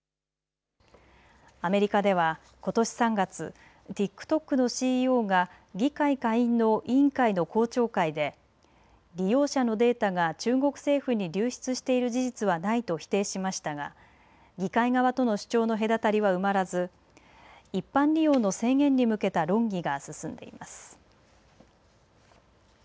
アメリカではことし３月、ＴｉｋＴｏｋのＣＥＯが議会下院の委員会の公聴会で利用者のデータが中国政府に流出している事実はないと否定しましたが、議会側との主張の隔たりは埋まらず一般利用の制限に向けた論議が進んでいます。